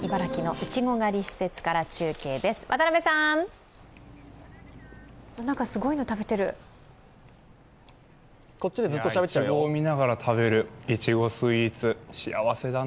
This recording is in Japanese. いちごを見ながら食べるいちごスイーツ、幸せだな。